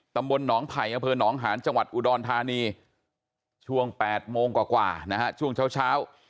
ตำบลหนองไผ่อำเภอหนองหาญจังหวัดอุดรธานีช่วง๘โมงกว่านะฮะช่วงเช้า